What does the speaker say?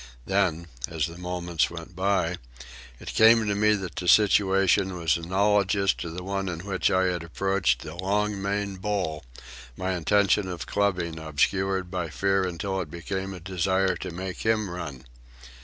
Then, as the moments went by, it came to me that the situation was analogous to the one in which I had approached the long maned bull, my intention of clubbing obscured by fear until it became a desire to make him run.